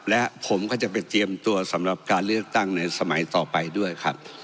และผมก็จะไปเตรียมตัวสำหรับการเลือกตั้งในสมัยต่อไปด้วยครับ